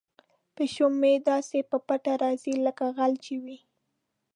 پیشو مې داسې په پټه راځي لکه غل چې وي.